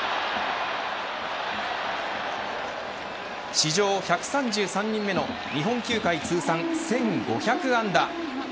史上１３３人目の日本球界通算１５００安打。